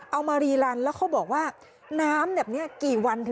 เอามารีรันแล้วเขาบอกว่าน้ำแบบนี้กี่วันถึง